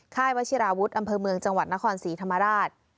วัชิราวุฒิอำเภอเมืองจังหวัดนครศรีธรรมราช